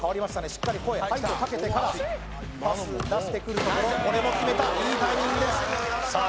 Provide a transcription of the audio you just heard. しっかり声「はい」とかけてからパス出してくるところこれも決めたいいタイミングですさあ